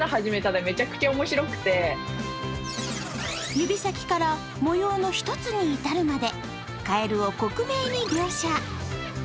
指先から模様の１つに至るまでカエルを克明に描写。